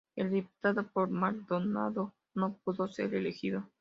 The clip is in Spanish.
El diputado por Maldonado no pudo ser elegido.